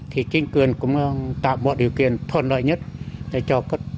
thì chính quyền cũng tạo một điều kiện thuận lợi nhất để cho